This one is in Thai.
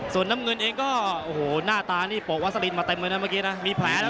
ส่วนน้ำเงินเองก็โอ้โหหน้าตานี่โปะวัสลินมาเต็มเลยนะเมื่อกี้นะมีแผลแล้ว